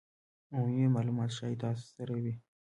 عمومي مالومات ښایي تاسو سره وي